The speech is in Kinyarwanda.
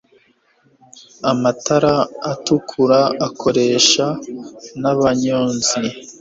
amatara atukura akoresha nabanyonzi